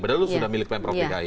padahal lu sudah milik pemprov dki